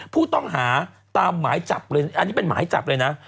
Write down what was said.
ผู้ต้องหาตามหมายจับเลยอันนี้เป็นหมายจับเลยนะ